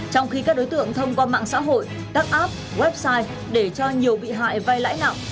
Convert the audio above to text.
trong khi các đối tượng thông qua mạng xã hội các app website để cho nhiều bị hại vai lãi nặng